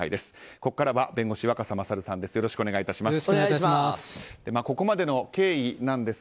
ここからは弁護士の若狭勝さんです。